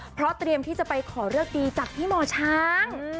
เพราะเตรียมที่จะไปขอเลิกดีจากพี่หมอช้าง